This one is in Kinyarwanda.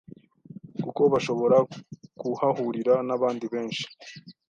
kuko bashobora kuhahurira n'abandi benshi.